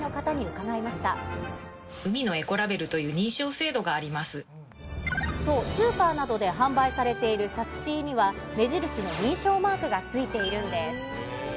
海のエコラベルという認証制そう、スーパーなどで販売されているサスシーには、目印の認証マークがついているんです。